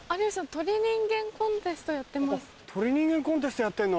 鳥人間コンテストやってんの？